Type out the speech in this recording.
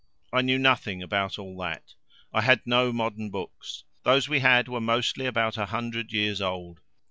I knew nothing about all that: I had no modern books those we had were mostly about a hundred years old.